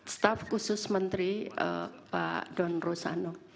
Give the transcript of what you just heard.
staf khusus menteri pak don rosano